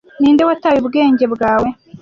Ninde wataye ubwenge bwawe